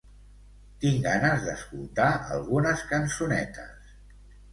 Tinc ganes d'escoltar algunes cançonetes.